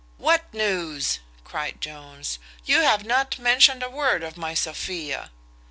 "What news?" cries Jones, "you have not mentioned a word of my Sophia!"